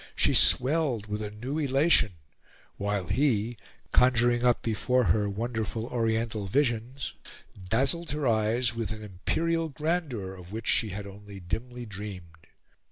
She swelled with a new elation, while he, conjuring up before her wonderful Oriental visions, dazzled her eyes with an imperial grandeur of which she had only dimly dreamed.